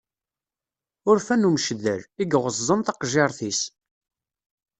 Urfan umceddal, i yeɣeẓẓen taqejjiṛt-is.